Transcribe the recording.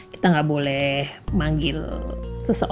kita gak boleh manggil seseorang ya